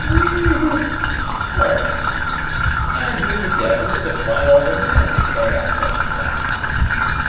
"Whe e e w , Quartermaster! And who the d l is to find all the men to carry out such a plan?"